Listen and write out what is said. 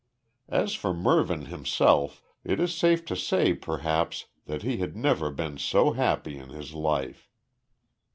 As for Mervyn himself, it is safe to say perhaps that he had never been so happy in his life.